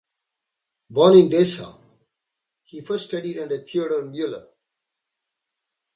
Born in Dessau, he first studied under Theodore Muller.